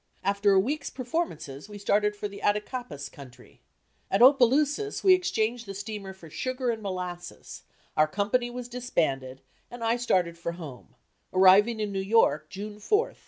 After a week's performances, we started for the Attakapas country. At Opelousas we exchanged the steamer for sugar and molasses; our company was disbanded, and I started for home, arriving in New York, June 4, 1838.